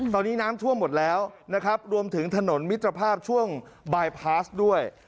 ตอนนี้น้ำท่วมหมดแล้วนะครับรวมถึงถนนมิตรภาพช่วงบายพาสด้วย